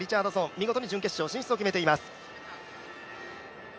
見事に準決勝進出を決めています。